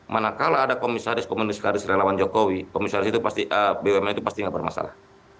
manakala ada komisaris komunis karis relawan jokowi komisaris bumn itu pasti nggak bermasalah